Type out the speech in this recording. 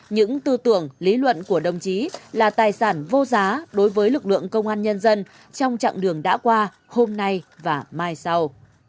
những tư tưởng lý luận của đồng chí là tài sản vô giá đối với lực lượng công an nhân dân trong chặng đường đã qua hôm nay và mai sau